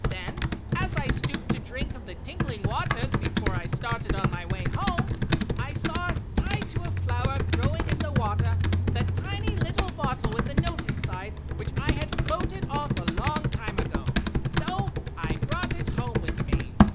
"Then as I stooped to drink of the tinkling waters before I started on my way home, I saw, tied to a flower growing in the water, the tiny little bottle with the note inside which I had floated off a long time ago, so I brought it home with me!"